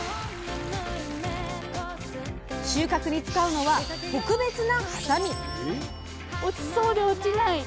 収穫に使うのは特別なはさみ！